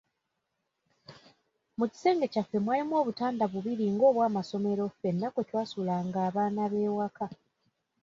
Mu kisenge kyaffe mwalimu obutanda bubiri ng'obw'amasomero ffenna kwe twasulanga abaana b'ewaka.